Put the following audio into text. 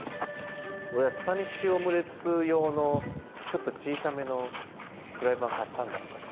俺スパニッシュオムレツ用のちょっと小さめのフライパン買ったんだ昔。